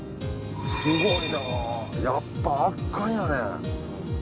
すごいなやっぱ圧巻やね。